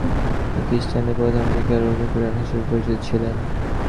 তিনি খ্রিস্টানদের প্রথমদিককার উৎপীড়নকারীর হিসেবে পরিচিত ছিলেন।